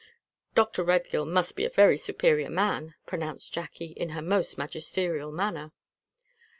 "Dr. Redgill must be a very superior man," pronounced Jacky, in her most magisterial manner.